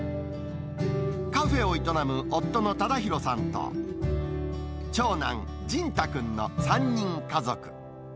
カフェを営む夫の忠広さんと長男、じんた君の３人家族。